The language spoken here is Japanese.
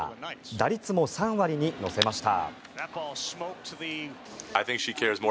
打率も３割に乗せました。